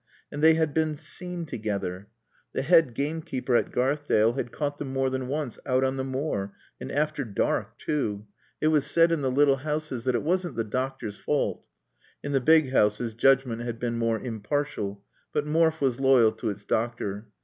And they had been seen together. The head gamekeeper at Garthdale had caught them more than once out on the moor, and after dark too. It was said in the little houses that it wasn't the doctor's fault. (In the big houses judgment had been more impartial, but Morfe was loyal to its doctor.)